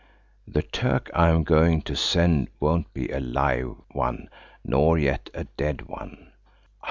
"The Turk I'm going to send won't be a live one nor yet a dead one."